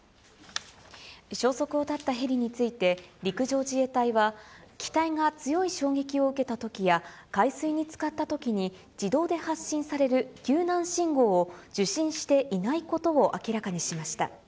消息を絶ったヘリについて陸上自衛隊は、機体が強い衝撃を受けたときや、海水につかったときに自動で発信される救難信号を受信していないことを明らかにしました。